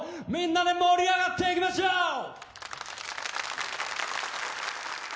みんなで盛り上がっていきましょう！